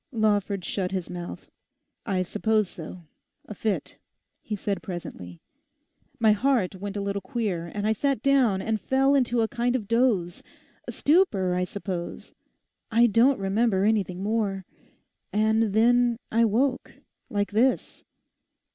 Lawford shut his mouth. 'I suppose so—a fit,' he said presently. 'My heart went a little queer, and I sat down and fell into a kind of doze—a stupor, I suppose. I don't remember anything more. And then I woke; like this.